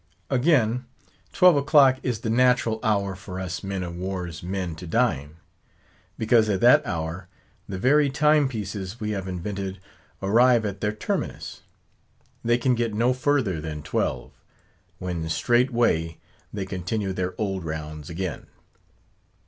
Again: twelve o'clock is the natural hour for us men of war's men to dine, because at that hour the very time pieces we have invented arrive at their terminus; they can get no further than twelve; when straightway they continue their old rounds again.